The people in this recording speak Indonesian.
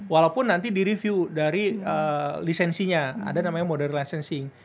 walaupun nanti direview dari lisensinya ada namanya moder licensing